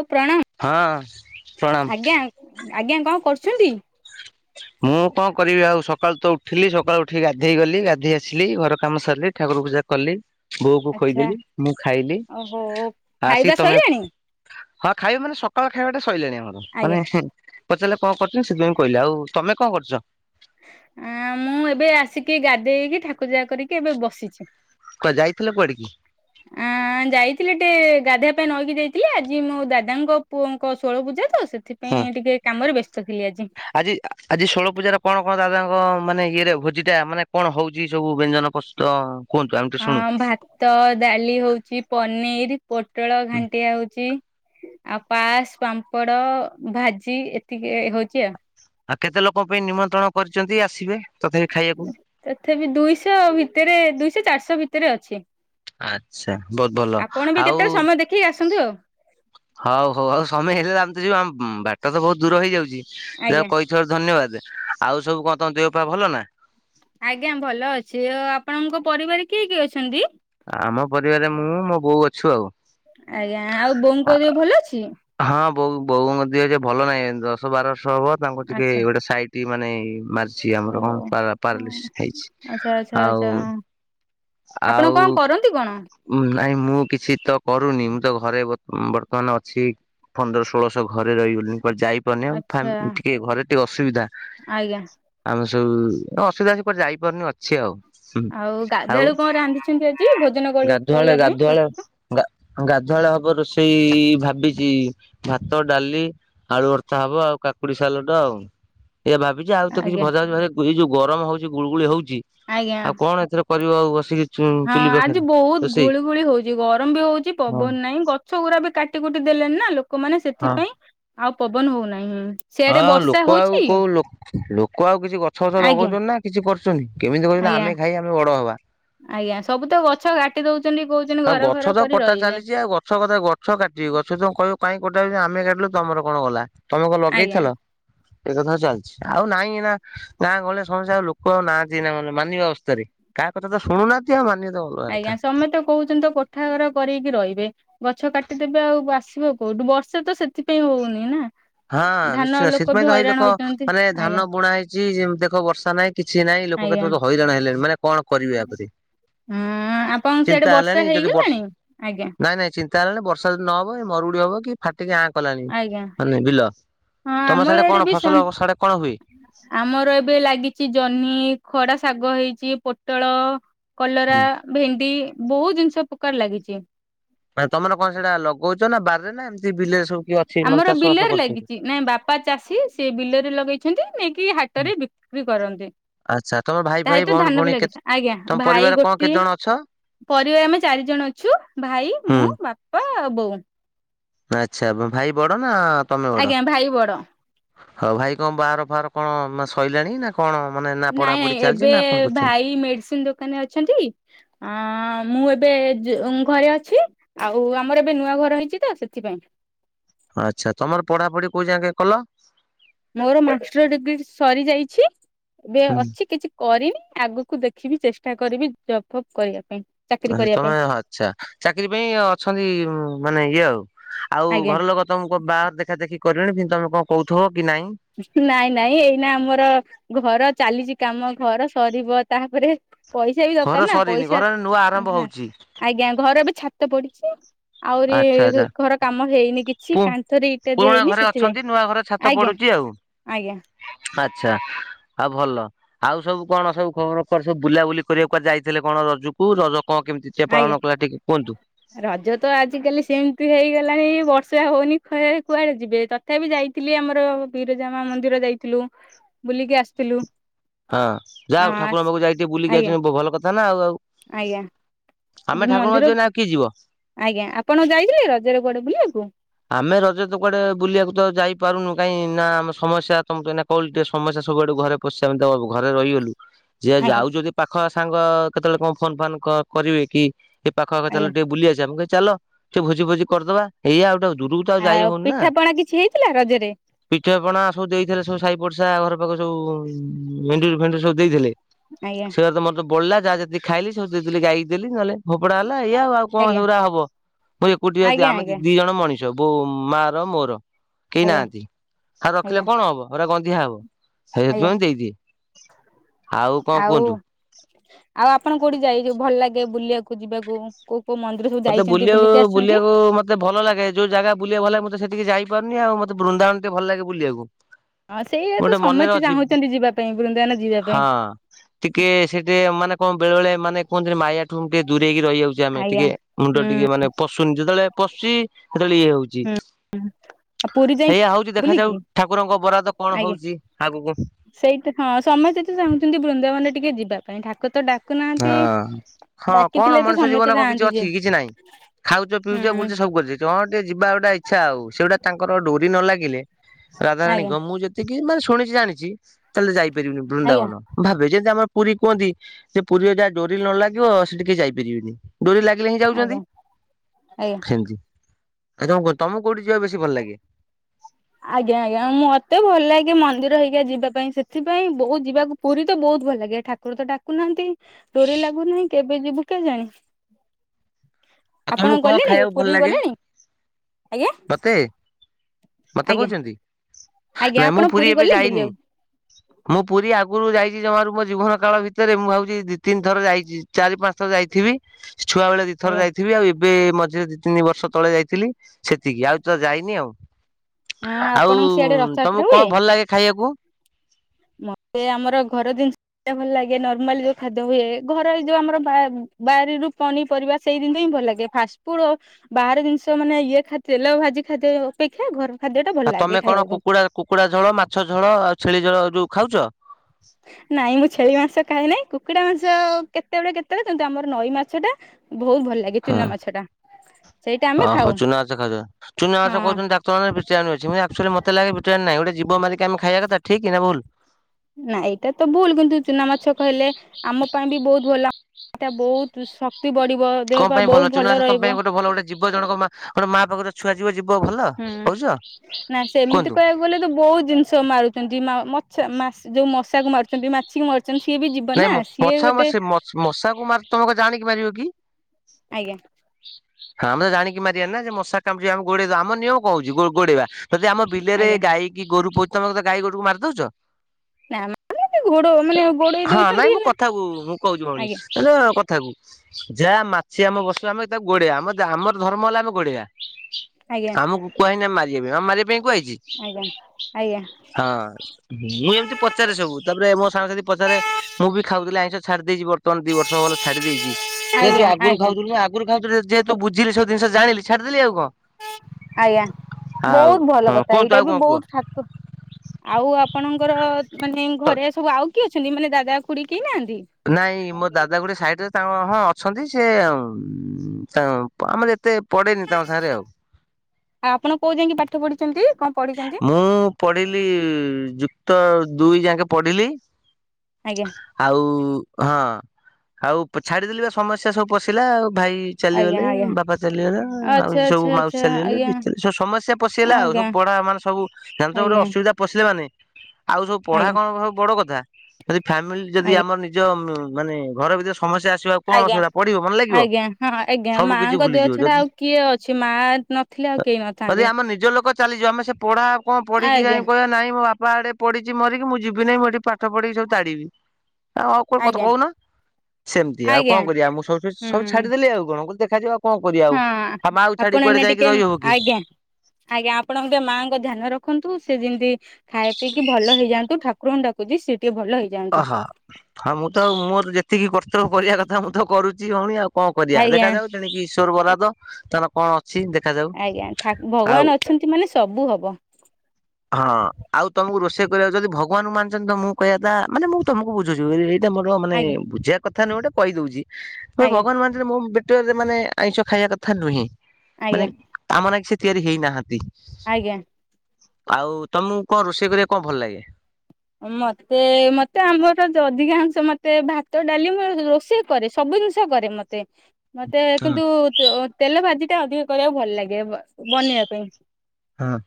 ତ ପ୍ରଣାମ୍। ହଁ ପ୍ରଣାମ୍। ଆଜ୍ଞା। କଣ କରୁଛନ୍ତି? [inaudible] ମୁଁ କଣ କରିବି ଆଉ ସକାଳୁ ତ ଉଠିଲି ସକାଳୁ ଉଠିକି ଗାଧେଇ ଗଲି ଗାଧେଇ ଆସିଲି, ଘର କାମ ସାରିଲି। ଠାକୁର ପୂଜା କଲି ବୋଉ କୁ ଖୋଇ ଆଚ୍ଛା ଦେଲି, ମୁଁ ଖାଇଲି। ଓହୋ ଆସି ଖାଇବା ତମେ ସଇଲାଣି? ହଁ ଖାଇବା ମାନେ ସକାଳ ଖାଇବାଟା ସରିଲାଣି ଆମର। ମାନେ ଆଜ୍ଞା ପଚାରିଲେ କଣ କରିଛନ୍ତି ସେଥିପାଇଁ କହିଲି। ଆଉ ତମେ କଣ କରୁଛ? ଆଁ ମୁଁ ଏବେ ଆସିକି ଗାଧେଇକି ଠାକୁଯା କରିକି ଏବେ ବସିଛି। କୁଆ ଯାଇଥିଲ କୁଆଡିକି? [inaudible] ହଁ ଯାଇଥିଲି ଟିକେ ଗାଧେଇବା ପାଇଁ ନଇ କି ଯାଇଥିଲି। ଆଜି ମୋ ଦାଦାଙ୍କ ପୁଅଙ୍କ ଷୋଳ ପୂଜା ତ ସେଥିପାଇଁ। ହଁ ସେଥିପାଇଁ ଟିକେ କାମରେ ବ୍ୟସ୍ତ ଥିଲି ଆଜି। ଆଜି ଷୋଳ ପୂଜାରେ କଣ କଣ ଦାଦାଙ୍କ ମାନେ ଇଏରେ ଭୋଜି ଟା ମାନେ କଣ ହଉଛି ସବୁ ବ୍ୟଞ୍ଜନ ପ୍ରସ୍ତୁତ? କୁହନ୍ତୁ ଆମେ ଟିକେ ଶୁଣୁ। ତ ଡାଲି ହଉଚି, ପନିର୍, ପୋଟଳ ଘାଣ୍ଟିଆ ହଉଛି। ଆଉ ପାସ୍, ପାମ୍ପଡ, ଭାଜି ଏତିକି ହଉଛି ଆଉ। ଆଉ କେତେ ଲୋକ ପାଇଁ ନିମନ୍ତ୍ରଣ କରିଛନ୍ତି ଆସିବେ ତଥାପି ଖାଇବାକୁ? ଏଥେବି ଦୁଇଶହ ଭିତରେ ଦୁଇଶହ ଚାରିଶହ ଭିତରେ ଅଛି। ଆଛା ବୋହୁତ୍ ଭଲ। ଆପଣ ବି ଆଉ କେତେବେଳେ ସମୟ ଦେଖିକି ଆସନ୍ତୁ ଆଉ ହଉ ହଉ ଆଉ ସମୟ ହେଲେ ଆମେ ତ ଯିବ ଆମ ବାଟ ତ ବୋହୁତ୍ ଦୂର ହେଇଯାଉଛି। ଯେ ଆଜ୍ଞା କହି ଥିବ, ଧନ୍ୟବାଦେ। ଆଉ ସବୁ କଣ ତମ ଦେହ ପା ଭଲ ନା? ଆଜ୍ଞା ଭଲ ଅଛି। ଆପଣଙ୍କ ପରିବାର କିଏ କିଏ ଅଛନ୍ତି? ଆମ ପରିବାରରେ ମୁଁ ମୋ ବୋଉ ଅଛୁ ଆଉ। ଆଜ୍ଞା। ଆଉ ବୋଉଙ୍କ ଦେହ ଭଲ ଅଛି? ହଁ ବୋଉ ବୋଉ ଙ୍କ ଦେହ ଭଲ ନାହିଁ। ଦଶ ବାରବର୍ଷ ହବ ତାଙ୍କର ଟିକେ ଆଚ୍ଛା ଗୋଟେ ସାଇଟ୍ ମାନେ ମାରିଛି ଆମର ଓହୋ। କଣ ପାରାଲି ହେଇଛି। ଆଚ୍ଛା ଆଚ୍ଛା ଆଉ ଆଚ୍ଛା ଆପଣ ଆଉ କଣ କରନ୍ତି କଣ ନାଇଁ ମୁଁ କିଛି ତ କରୁନି ମୁଁ ତ ଘରେ ବର୍ତ୍ତମାନ ଅଛି। ପନ୍ଦର ଷୋଳଶହ ଘରେ ରହିଗଲି କୁଆ ଯାଇ ଆଚ୍ଛା [unintelligible] ଟିକେ ଘରେ ଟିକେ ଅସୁବିଧା। ଆଜ୍ଞା। ଆମେ ସବୁ ଅସୁବିଧା ଅଛି ପରେ ଯାଇପାରୁନି ଅଛି ଆଉ। ଆଉ ଗାଧେଆଳୁ କଣ ରାନ୍ଧିଛନ୍ତି ଆଜି ଭୋଜନ କରିବା ପାଇଁ ପ୍ରସ୍ତୁତ ଗାଧୁଆଳ ହବ ରୋଷେଇ ଭାବିଛି ଭାତ ଡାଲି। ଆଳୁ ବର୍ତା ହବ ଆଉ କାକୁଡି ସାଲଟା ଆଉ। ଏଇା ଭାବିଛି ଆଉ ତ କିଛି ଆଜ୍ଞା ଭଜା ଭଜ ଭ ଏଇ ଯୋଉ ଗରମ ହଉଛି ଗୁଳୁଗୁଳି ହଉଛି ଆଜ୍ଞା। ଆଉ କଣ ଏଥିରେ କରି ଆଉ ବସି ହଁ ଆଜି ବହୁତ ଗୁଳୁଗୁଳି ହଉଛି ଗରମ ବି ହଉଛି ହଁ ପବନ ନାହିଁ। ଛଗୁରା ବି କାଟି କୁଟି ଦେଲେଣିି ନା ଲୋକମାନେ ହଁ। ସେଥିପାଇଁ ଆଉ ପବନ ହଉନାହିଁ। ହଁ ସିଆଡେ ଆଉ ବର୍ଷା ଲୋକ ଆଉ ହଉଛି କୋଉ ଲୋକ ଆଉ କିଛି ଗଛ ଫଛ ଆଜ୍ଞା। ଲଗାଉଛନ୍ତି ନା କିଛି କର କେମିତି କିବ ଆଜ୍ଞା ଆମେ ଖାଇ ଆମେ ବଡ ହବା। ଆଜ୍ଞା ସବୁ ତ ଗଛ କାଟି ଦଉଛନ୍ତି କହୁଛନ୍ତି ଆଉ ଘର ଘର ଗଛ ତ କରି କଟା ରହିବେ। ଚାଲିଛି ଆଉ ଗଛ କଥା ଗ ଗଛ କାଟିବି ଗଛ ତମ କହିବ କାଇଁ କଟା ଆମେ କାଟିଲୁ ତମର କଣ ଗଲା ତମେ କ ଆଜ୍ଞା ଲଗେଇଥିଲ। ଏ କଥା ଚାଲିଛି ଆଉ ନାଇଁ ଏନା ଗାଁ ଗହଲିଲେ ସମସ୍ତେ ଆଉ ଲୋକ ଆଉ ନାହାନ୍ତି ନା ମାନେ ମାନିବା ଅବସ୍ଥାରେ। କାହା କଥା ତ ଶୁଣୁନା [unintelligible] ଆଜ୍ଞା ସମେତ କହୁଛନ୍ତି କୋଠା ଘର କରକି ରହିବେ। ଗଛ କାଟିଦେବେ ଆଉ ଆସିବ କୋଉଠୁ ବର୍ଷେ ତ ସେଥିପାଇଁ ହଉନି ନା। ହଁ ଧାନ ନିଶ୍ଚିନ୍ତ ଲୋକ ସେଥିପାଇଁ ବି ତ ଭାଇ ହଇରାଣ ଦେଖ ହଉଛନ୍ତି ମାନେ ଆଜ୍ଞା ଧାନ ବୁଣା ହେଇଛି ଦେଖ ବର୍ଷା ନାହିଁ। କିଛି ନାଇଁ ଲୋକ ଆଜ୍ଞା। କେତେବେ ହଇରାଣ ହେଲେଣି ମାନେ କଣ କରିବେ ୟା ପ୍ରତି ହଁ ଆପଣଙ୍କ ସିଆଡେ ଚିନ୍ତା ବର୍ଷା ହେଲାଣି ଯଦି ବର୍ଷ ହେଇଗଲାଣି ଆଜ୍ଞା ନାଇଁ ନାଇଁ ଚିନ୍ ହେଲାଣି ବର୍ଷା ଜଦି ନହବ ମରୁଡି ହବ କି ଫାଟିକି ଆଁ କଲାଣି। ଆଜ୍ଞା ମ ନାଇଁ ବିଲ ହଁ ତମ ଆମ ସାଡେ ଇଆଡେ କଣ ବି ସେମ ଫସଲ ସଡେ କଣ ହୁଏ? ଆମର ଏବେ ଲାଗିଛି ଜହ୍ନି ଖଡା ଶାଗ ହେଇଛି ପୋଟଳ। କଲରା ଭେଣ୍ଡି ବହୁତ ଜିନିଷ ପ୍ରକାର ଲାଗିଛି। ମ ତମର କଣ ସେଇଟା ଲଗଉଛ ନା ବାରିରେ ନା ଏମିତି ବିଲରେ ସବୁ କିଏ ଅଛି ମାନେ ଆମର ଚାଷବାସ ବିଲରେ କରୁଛନ୍ତି। ଲାଗିଛି ନାଇଁ ବାପ ବାପା ଚାଷୀ ସେ ବିଲରେ ଲଗେଇଛନ୍ତି ନେଇକି ହାଟରେ ବିକ୍ରି କରନ୍ତି। ଆଚ୍ଛା ତମର ଭାଇ ଭାଇ ତାହି ତ ଭଉଣୀ ଧାନ ବି ଭଉଣୀ କେତେ ଲାଗିଛି ଆଜ୍ଞା ତମ ଭାଇ ପରିବାର କଣ କେତେ ଗୋଟିଏ। ଜଣ ଅଛ? ପରିବାର ଆମେ ଚାରି ଜଣ ଅଛୁ ଭାଇ ହୁଁ। ମୁଁ ବାପାଆଉ ବୋଉ। ଆଚ୍ଛା ଭାଇ ବଡ ନା ତମେ ବଡ? ଆଜ୍ଞା ଭାଇ ବଡ ହଁ ଭାଇ କଣ ବାର ଫାର କଣ ସଇଲାଣି ନା? କଣ ମାନେ ନା ନାଇଁ ପଢାପଢି ନାଇଁ ଚାଲିଛି ଏବେ ନା କଣ କରୁଛନ୍ତି? ଭାଇ ମେଡିସିନ ଦୋକାନରେ ଅଛନ୍ତି। ଅ ମୁଁ ଏବେ ଘରେ ଅଛି। ଆଉ ଆମର ଏବେ ନୂଆ ଘର ହେଇଛି ତ ସେଥିପାଇଁ। ଆଚ୍ଛା ତମର ପଢାପଢି କୋଉ ଯାଏ କଲ? ମୋର ମାଷ୍ଟର ଡିଗ୍ରୀ ସରି ଯାଇଛି ଏବେ ହୁଁ ଅଛି କିଛି କରିବି ଆଗକୁ ଦେଖିବି ଚେଷ୍ଟା କରିବି ଜପ୍ ଫପ୍ କରିବା ପାଇଁ। ଚାକିରି କରିବା ତମେ ପାଇଁ ଆ୍ଛା ଚାକିରି ପାଇଁ ଅଛନ୍ତି। ମାନେ ଇଏ ଆଉ ଆଉ ଆଜ୍ଞା। ଘରଲୋକ ତମକୁ ବାହ ଦେଖା ଦେଖି କରିନଣି କିନ୍ତୁ ତମେ କଣ କହୁଥିବ କି ନାଇଁ। ନାଇଁ ନାଇଁ ଏଇନା ଆମର ଘର ଚାଲିଛି କାମ ଘର ସରିବ ତାପରେ ପଇସା ବି ଘର ଦରକାର ନା ସରିନି ପଇସା ଘର ନୂଆ ଆରମ୍ଭ ହଉଛି ଆଜ୍ଞା ଘର ଏବେ ଛାତ ପଡ଼ୁଛି ଆହୁରି ଆଚ୍ଛା ଆଚ୍ଛା। ଘର କାମ ହେଇନି କି ସେ କାନ୍ଥରେ ଇଟା ପୁରୁଣା ଦିଆହଇନି ଘରେ ସେଥିପାଇଁ ଅଛନ୍ତି ଆଜ୍ଞା ଆଜ୍ଞା। ଆଛା ଆଉ ଭଲ? ଆଉ ସବୁ କଣ ସବୁ ଖବର ସବୁ ବୁଲାବୁଲି କରିବାକୁ ଯାଇଥିଲେ କଣ ରଜକୁ ରଜ କଣ କେମିତି ଟେ ଆଜ୍ଞା। ପାଳନ କଲା ଟିକେ କୁହନ୍ତୁ। ରଜ ତ ଆଜିକାଲି ସେମିତି ହେଇଗଲାଣି ବର୍ଷା ହଉନି କୁଆଡେ ଯିବେ? ତଥାପି ଯାଇଥିଲି ଆମର ବିରଜା ମା ମନ୍ଦିର ଯାଇଥିଲୁ ବୁଲିକି ଆସିଥିଲୁ। ହଁ ଯା ଆ ଆଉ ଠାକୁରଙ୍କ ପାଖକୁ ଯାଇକି ବୁଲିକି ଆଜ୍ଞା ଆସିଛନ୍ତି ଭଲ କଥା ନା ଆଉ ଆଉ। ଆଜ୍ଞା ଆମେ ଠାକୁରଙ୍କ ପାଖକୁ ମନ୍ଦିର ଯିବାନି ଆଉ କିଏ ଯିବ? ଆଜ୍ଞା ଆପଣ ଯାଇଥିଲେ ରଜରେ କୁଆଡେ ବୁଲିବାକୁ? ଆମେ ରଜ ତ କୁଆଡେ ବୁଲିବାକୁ ତ ଯାଇପାରୁନୁ କାଇହିଁ ନା ଆମେ ସମସ୍ୟା ତମକୁ କଉ ଟିକେ ସମସ୍ୟା ସବୁଆଡୁ ଘରେ ପଶିବା ଆମ ଘରେ ରହିଗଲୁ। ଯିଏ ଆଜ୍ଞା ଯାଉଛନ୍ତି ଯଦି ପାଖ ସାଙ୍ଗ କେତେବେଳେ କଣ ଫୋନ ଫାନ୍ କରିବେ କି? ଏ ପାଖପଖ ଚାଲ ଆଜ୍ଞା। ଟିକେ ବୁଲି ଆସିବା ମୁଁ କହିବି ଚାଲ ସେ ଭୋଜି ଫୋଜି କରିଦବା ଏଇଆ ଆଉ ଦୁରୁ ଆଉ ପିଠାପଣା କିଛି ହେଇଥିଲା ରଜରେ? ପିଠାପଣା ସବୁ ଦେଇଥିଲେ ସବୁ ସାଇ ପଡ଼ିଶା ଘର ପାଖ ସବୁ ଭେଣ୍ଡୁରୁ ଫେଣ୍ଡୁରୁ ସବୁ ଦେଇଥିଲେ। ଆଜ୍ଞା। ସେରା ତ ମତେ ବଳିଲା ଯାହା ଯେତିକି ଖାଇଲି ସବୁ ଦେଇଦେଲି ଗାଇକି ଦେଲି ନହେଲେ ଫୋପଡା ହେଲା ଏଇଆ ଆଉ ଆଉ କଣ ଆଜ୍ଞା ସେଗୁଡା ହବ ମୁ ଏକୁଟିଆ ଯ ଆଜ୍ଞା ଆମେ ଆଜ୍ଞା ଦି ଜଣ ମଣିଷ ବୋଉ ମା ର ମୋର କେହି ଆଜ୍ଞା ନାହାନ୍ତି ଆଉ ରଖିଲେ ଆଜ୍ଞା କଣ ହବ ହେରା ଗନ୍ଧିଆ ହବ। ଆଜ୍ଞା ସେଥିପାଇଁ ଦେଇଦିଏ କଣ ଆଉ। କୁହନ୍ତୁ। ଆଉ ଆପଣ କୋଉଠି ଯାଇ ଯୋଉ ଭଲ ଲାଗେ ବୁଲିବାକୁ ଯିବାକୁ କୋଉ କୋଉ ମନ୍ ମତେ ବୁଲିବାକୁ ବୁଲିବାକୁ ମତେ ମତେ ତ ଭଲ ଲାଗେ ଯୋଉ ଜାଗା ବୁଲିବା ଭଲ ଲାଗେ ମତେ ସେଠିକି ଯାଇପାରୁନି ଆଉ ମତେ ବୃନ୍ଦାବନ ଟିକେ ଭଲ ଲାଗେ ବୁଲିବାକୁ ହଁ ସେଇଆ ମୁଁ ତ ଗୋଟେ ମନରେ ସମସ୍ତେ ଅଛି ଚାହୁଁଛନ୍ତି ଯିବା ପାଇଁ ବୃନ୍ଦାବନ ଯିବା ପାଇଁ। ହଁ। ଟିକେ ସେଠେ ମାନେ କଣ ବେଳେ ବେଳେ ମାନେ କୁହନ୍ତିନି ମାୟା ଠୁ ଟିକେ ଦୂରେଇକି ରହିଯାଉଛେ ଆମେ ଆଜ୍ଞା। ଟିକେ ମୁଣ୍ଡ ହୁଁ ଟିକେ ମାନେ ପଶୁନି ଯେତେବେଳେ ପଶୁଛି ସେତେବେଳେ ଇଏ ହଉଛି। ହୁଁ ଆଉ ପୁରୀ ଯାଇ ଏଇଆ ହଉଛି ଦେଖାଯାଉ ବୁଲିକି ଠାକୁରଙ୍କ ବରାଦ କଣ ଆଜ୍ଞା। ହଉଛି ଆଗକୁ। ସେଇଟା ହଁ ସମସ୍ତେ ତ ଚାହୁଁଛନ୍ତି ବୃନ୍ଦାବନରେ ଟିକେ ଯିବା ପାଇଁ ଠାକୁର ତ ଡା ହଁ ହଁ କଣ ତ ମଣିଷ ସମସ୍ତେ ଜୀବନ କିଛି ଯାଆନ୍ତି ଅଛି ଯେ କିଛି ନାହିଁ। ଖାଉଛ ପିଉଛ ହୁଁ ବୁଲୁଛେ ସବୁ କରୁଛେ। ଜଣ ଟେ ଯିବା ଗୋଟା ଇଚ୍ଛା ଆଉ ସେଇଗୁଟା ତାଙ୍କର ଡୋରି ନ ଲାଗିଲେ ଆଜ୍ଞା ରାଧାରାଣୀଙ୍କ ଆଜ୍ଞା ମୁଁ ଯଦି ସେ ମାନେ ଶୁଣିଛି ଜାଣିଛି ତାହେଲେ ଯାଇପାରିବୁନି ଆଜ୍ଞା ବୃନ୍ଦାବନ ଭାବେ ଯେମିତି ଆମର ପୁରୀ କୁହନ୍ତି ସେ ପୁରୀ ଯାହା ଡୋରି ନ ଲାଗିବ ସେ ଟିକେ ଯାଇପାରିବେନି। ଡୋରି ଲାଗିଲେ ହିଁ ଯାଉଛନ୍ତି ଆଜ୍ଞା। ହେନ୍ତି। ଆଉ ତମକୁ କୋଉଠି ଯିବା ବେଶୀ ଭଲ ଲାଗେ? ଆଜ୍ଞା ଆଜ୍ଞା ମତେ ଭଲ ଲାଗେ ମନ୍ଦିର ହେଇକା ଯିବା ପାଇଁ ସେଥିପାଇଁ ବୋଉ ଯିବାକୁ ପୁରୀ ତ ବହୁତ ଭଲ ଲାଗେ ଠାକୁର ର ତ ଡାକୁନାହାନ୍ତି ଡୋରି ଲାଗୁନି କେବେ ଯିବୁ କେଜାଣି? ଆ ତମକୁ ଆପଣ କଣ ଗଲେଣି ଖାଇବାକୁ ଭଲ ପୁରୀ ଲାଗେ? ଗଲେଣି ଆଜ୍ଞା ମତେ? ମତେ ଆଜ୍ଞା କହୁଛନ୍ତି ଆଜ୍ଞା ନାଇଁ ଆପଣ ମୁଁ ପୁରୀ ଏବେ ଗଲେ ଯାଇନି ବୁଲିବାକୁ ମୁଁ ପୁରୀ ଆଗରୁ ଯାଇଛି ଜମାରୁ ମୋ ଜୀବନ କାଳ ଭିତରେ ମୁଁ ଭାବୁଛି ଦି ତିନି ଥର ଯାଇଛି। ଚାରି ପାଞ୍ଚ ଥର ଯାଇଥିବି ଛୁଆ ବେଳେ ଦି ଥର ଆଜ୍ଞା ଯାଇଥିବି ଆଉ ଏବେ ମଝିରେ ଦି ତିନି ବର୍ଷ ତଳେ ଯାଇଥିଲି ସେତିକି ଆଉ ତ ଯାଇନି ଆଉ। ହଁ ଆଉ ଆପଣଙ୍କ ସିଆଡେ ରଥଯାତ୍ରା ତମକୁ ହୁଏ କଣ ଭଲ ଲାଗେ ଖାଇବାକୁ? ମତେ ଆମର ଘର ଜିନିଷ ସେଇଟା ଭଲ ଲାଗେ ନର୍ମାଲି ଯୋଉ ଖାଦ୍ୟ ହୁଏ ଘରେ ଯୋଉ ଆମର ବାରିରୁ ପନିପରିବା ସେଇ ଦିନ ତ ହିଁ ଭଲ ଲାଗେ। ଫାଷ୍ଟ ଫୁଡ ବାହାର ଜିନିଷ ମାନେ ଇଏ ଖା ତେଲ ଭାଜି ଖାଦ୍ୟ ଅପେକ୍ଷା ଘର ଖାଦ୍ୟ ଟା ଆଉ ଭଲ ତମେ ଲାଗେ କଣ ଖାଇବାକୁ। କୁକୁଡ଼ା କୁକୁଡ଼ା ଝୋଳ, ମାଛ ଝୋଳ, ଆଉ ଛେଳି ଝୋଳ ଯୋଉ ଖାଉଛ? ନାଇଁ ମୁଁ ଛେଳି ମାଂସ ଖାଏ ନାହିଁ କୁକୁଡ଼ା ମାଂସ କେତେବେଳେ କେତେବେଳେ କିନ୍ତି ଆମର ନଈ ମାଛ ଟା ବହୁ ଭଲ ଲାଗେ। ହଁ ଚୁନା ମାଛ ଟା ସେଇଟା ଓ ଆମେ ଖାଉ ହୋ ଚୁନା ଆଚ ଖାଉ ଚୁନା ଆଚ ହଁ କହୁଛନ୍ତି ମତେ ଲାଗେ ଭିଟାବିନ୍ ନାହି ଗୋଟେ ଜୀବକୁ ମାରିକି ଖାଇବାଟା ଠିକ୍ ନ ଭୁଲ୍। ନାଁ ଏଇଟା ତ ଭୁଲ କିନ୍ତୁ ଚୁନା ମାଛ କହିଲେ ଆମ ପାଇଁ ବି ବହୁତ ଭଲ। ଏଇଟା ବହୁତ ଶକ୍ତି ବଢିବ ଦେହ ପାଇଁ ବହୁତ ଭଲ ରହିବ। ଯିବ ଜଣଙ୍କ ମା କଣେ ମା ପାଖର ଛୁଆ ଯିବ ଯିବ ଭଲ ହୁଁ। କହୁଛ ନା ସେମିତି କୁହନ୍ତୁ? କହିବାକୁ ଗଲେ ତ ବହୁତ ଜିନିଷ ମାଛ ମାରୁଛନ୍ତି ମାଉଁ ମଶାକୁ ମାରୁଛନ୍ତି ମାଛ ନାଇଁ ମଛାକୁ ମଶାକୁ ମାର ତମକୁ ଜାଣିକି ମାରିବ କି? ଆଜ୍ଞା। ହଁ ଆମେ ତ ଜାଣି ମାରିବା ନା ଯେ ମଶା କାମୁ ଆମେ ଗୋଡେଇଦବା ଆମ ନିୟମ କହୁଛି ଗୋଡେଇବା ଯଦି ଆମ ବିଲରେ ଆଜ୍ଞା ଗାଈ କି ଗୋରୁ ପଉଛି ତମେ କଣ ଗାଈ ଗୋରକୁ ମାରି ଦଉଛ? ନା ମେ ଘୋଡ ମାନେ ଗୋଡେଇ ହଁ ନାଇଁ ଦଉଛନ୍ତି ମୁଁ ନା କଥା କ ମୁଁ କହୁଛି ଭଉଣୀ ଆଜ୍ଞା ହେଲେ କଥା କୁ ଯାହା ମାଛି ଆମ ବସିବା ଆମେ ତାକୁ ଗୋଡେଇଆ ଆମ ଆମର ଧର୍ମ ହେଲା ଆମେ ଗୋଡେଇଆ। ଆଜ୍ଞା ଆମକୁ କୁହା ହେଇନା ମାରିବା ପାଇଁ ଆ ମାରିବା ପାଇଁ କୁହା ହେଇଛି ଆଜ୍ଞା ଆଜ୍ଞା ହଁ। ଇଏ ଏମିତି ପଚାରେ ସବୁ ତାପରେ ମୋ ସାଙ୍ଗସାଥି ପଛରେ ମୁଁ ବି ଖାଉଥିଲ ଆଇଁଷ ଛାଡି ଦେଇେଇଛି ବର୍ତ୍ତମାନ ଦି ବର୍ଷ ଭଲ ଛାଡି ଦେଇଛି। ତୁ ଆଜ୍ଞା ଆରୁ ଆଜ୍ଞା ଖାଉଥିଲୁଁ ଆଗରୁ ଖାଉଥିଲ ଯେ ତୁ ବୁଝିଲି ସୁ ଜିନିଷ ଜାିଲି ଛାଦଥିଲଲି ଆଉ କଣ। ଆଜ୍ଞା ଆଉ ବହୁତ ଭଲ ହଁ କଥା କୁହନ୍ତୁ ଏଇଟା ଆଉ ବି କଣ କୁହ? ବହୁତ ଠାକୁ ଆଉ ଆପଣଙ୍କର ମାନେ ତ ଘରେ ସବୁ ଆଉ କିଏ ଅଛନ୍ତି ମାନେ ଦାଦା ଖୁଡି କେହି ନାହାନ୍ତି? ନାଇଁ ମୋ ଆଉ ଦାଦା ଗୋଟେ ସାଇଡରେ ତାଙ୍କ ହଁ ଅଛନ୍ତି ସେ ଆଉ ଆମର ଏତେ ପଡ଼େନି ତାଙ୍କ ସାଙ୍ଗରେ ଆଉ। ଆଉ ଆପଣ କୋଉ ଯାଇକି ପାଠ ପଢିଛନ୍ତି କଣ ପଢିଛନ୍ତି? ମୁଁ ପଢ଼ିଲି ଯୁକ୍ତ ଦୁଇ ଯାକେ ପଢ଼ିଲି। ଆଜ୍ଞା। ଆଉ ହଁ ଆଉ ଛାଡିଦେଲେ ବା ସମସ୍ୟା ସବୁ ପଶିଲା ଆଉ ଭାଇ ଆଜ୍ଞା ଚାଲିଗଲେ ଆଜ୍ଞା ବାପା ଚାଲିଗଲା ଆଉ ଆଚ୍ଛା ସବୁ ଆଚ୍ଛା ମାଉସୀ ଆଚ୍ଛା ଚାଲିଗଲେ ଆଜ୍ଞା ଚା ସବୁ ସମସ୍ୟା ପଶିଗଲା ଆଉ ସବୁ ଆଜ୍ଞା ପଢା ମାନେ ସବୁ ଜାଣିଛ ଗୋଟେ ଅସୁବିଧା ପଶିଲ ମାନେ ଆଉ ସବ ପଢା ଆଜ୍ଞା ଆଜ୍ଞା ଆଜ୍ଞା କଣ ସବୁ ବଡ଼ କଥା। ଯଦି ଫ୍ୟାମିଲି ଯଦି ଆମର ନିଜ ମାନେ ଘର ଭିତରେ ସମସ୍ୟା ଆସିବ ଆଉ କଣ ଆଜ୍ଞା ସେଟା ପଢିବ ମନେ ଲାଗିବ ଆଜ୍ଞା ହଁ ଆଜ୍ଞା ସବୁ କିଛି ମାଙ୍କ ଦେହ ଭୁଲିଯିବ ଛଡା ଯଦି ଆଉ କିଏ ଅଛି ମା ନ ଥିଲେ ଆଉ କେହି ନଥାନ୍ତି। କଦି ଆମ ନିଜ ଲୋକ ଚାଲିଯିବ ଆମେ ସେ ପଢା କଣ ପଢିକି ଆଜ୍ଞା ଯାଇ କହିବା ନାହିଁ ମୋ ବା ବାପା ଇଆଡେ ପଢଛି ମିରିକି ମୁଁ ଯିବିହନି ଏଠି ପାଠଢିକି ସବୁ ତାଢିବି। ହଁ ଆଉ କଣ କଥା ଆଜ୍ଞା କହୁନା ସେମିତି ଆଉ କଣ ଆଜ୍ଞା କରିବା ମୁଁ ସବୁ ହୁଁ ସବୁ ଛାଡିଦେଲି ଆଉ କଣ କ ଦେଖାଯିବ କଣ କରିବା ଆଉ ହଁ ମାକୁ ଆପଣ ଛାଡିକି କୁଆଡେ ଏଇନା ଯାଇକି ଟିକେ ରହିହବ କି? ଆଜ୍ଞା ଆଜ୍ଞା ଆପଣଙ୍କ ଗୋେ ମାଆଙ୍କ ଧ୍ୟାନ ରଖନ୍ତୁ ସେ ଯେମିତି ଖାଇ ପିକି ଭଲ ହେଇଯାନ୍ତୁ ଠାରଙ୍କ ଡାକୁଛି ସି ଟିକେ ଭଲ ହେଇ ଓହୋ ହଁ ମୁଁ ତ ମୋର ଯେତିକି କର୍ତ୍ତବ୍ୟ କରିବା କଥା ମୁଁ ତ କରୁଛି ଭଉଣୀ ଆଉ କଣ କରିବା ଆଜ୍ଞା ଦେଖାଯାଉ ତେଣିକି ଇଶ୍ୱର ବରାତ ତାହେଲେ କଣ ଅଛି ଦେଖାଯାଉ‌। ଆଜ୍ଞାା ଠାକ୍ ଭଗବାନ ଅଛନ୍ତି ମାନେ ସବୁ ହବ। ହଁ ଆଉ ତମକୁ ରୋଷେଇ କରିବାକୁ ଯଦି ଭଗବାନଙ୍କୁ ମାନିଛନ୍ତି ତ ମୁଁ କହିବା ତା ମାନେ ମୁଁ ତମକୁ ବୁଝୁଛିି ଏଇ ମୋର ମାନେ ଆଜ୍ଞା ବୁଝିବା କଥା ନୁହେ ଗୋଟେ କହି ଦଉଛି ଆଜ୍ଞା ଭଗବାନ ମାନେ ମୋ ବେଟରେ ମାନେ ଆଇଁଷ ଖାଇବା କଥା ନୁହେଁ ମାନେ ଆଜ୍ଞା ଆମ ନାକି ସିଏ ତିଆରି ହେଇନାହାନ୍ତି। ଆଜ୍ଞା। ଆଉ ତମକୁ କଣ ରୋଷେଇ କରିବା କଣ ଭଲ ଲାଗେ? ମତେ ମତେ ଆମର ଯଦି ଅଧିକାଂଶ ମତେ ଭାତ ଡାଲି ମୁଁ ରୋଷେଇ କରେ ସବୁ ଜିନିଷ କରେ ମତେ। ମତେ ହଁ କିନ୍ତୁ‌ ତେଲ ଭାଜି ଟା ଅଧିକ କରିବାକୁ ଭଲ ଲାଗେ। ବନେଇବା ପାଇଁ। ହଁ।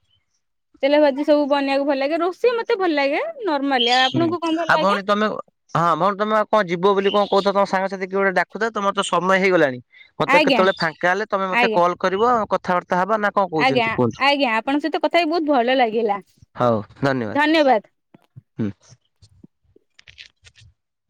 ତେଲ ଭାଜି ସବୁ ବନେଇବାକୁ ଭଲ ଲାଗେ। ରୋଷେଇ ମତେ ଭଲ ଲାଗେ ନର୍ମାଲି। ଆଉ ହୁଁ ଆପଣଙ୍କୁ କଣ ଭଲ ଆଉ ଭଉଣୀ ଲାଗେ? ତମେ। [unintelligible] ହଁ ଭଉଣୀ ତମେ କଣ ଯିବ ବୋଲି କଣ କହୁଥିଲ ତମ ସାଙ୍ଗସାଥି କିଏ ଗୋଟେ ଡାକୁଛନ୍ତି, ତମର ତ ସମୟ ହେଇଗଲାଣି। ମୋତେ ଆଜ୍ଞା କେତେବେଳେ ଫାଙ୍କା ହେଲେ ମତେ ଆଜ୍ଞା। କଲ୍ କରିବ କଥାବାର୍ତ୍ତା ହବା ନା କଣ ଆଜ୍ଞା କହୁଛନ୍ତି କୁହନ୍ତୁ? ଆଜ୍ଞା। ଆପଣଙ୍କ ସହିତ କଥା ହେଇ ବହୁତ୍ ଭଲ ଲାଗିଲା। ଧନ୍ୟବାଦ। ହୁଁ।